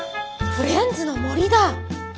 フレンズの森？